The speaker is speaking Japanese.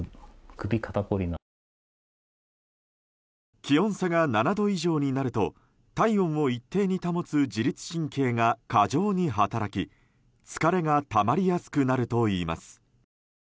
気温差が７度以上になると体温を一定に保つ自律神経が過剰に働き、疲れがたまりやすくなるといいます。